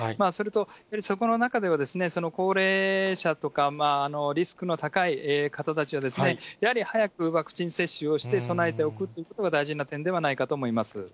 それとやはり、そこの中ではですね、高齢者とか、リスクの高い方たちは、やはり、早くワクチン接種をして、備えておくということが大事な点ではないかと思います。